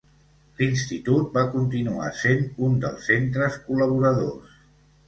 L'institut va continuar sent un dels centres col·laboradors.